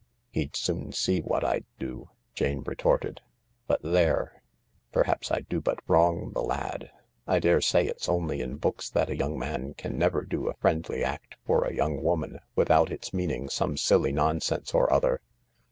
" He'd soon see what I'd do, " Ja$e retorted. " But thereat* perhaps I do but wrong the lad. I daresay it's o$ly in books that a young man can never do a friendly act for a young woman without its me^ping some sijly nonsense or Other.